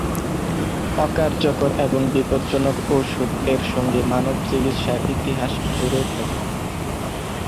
অকার্যকর এবং বিপজ্জনক ঔষধ এর সঙ্গে মানব চিকিৎসার ইতিহাস জুড়ে থাকে।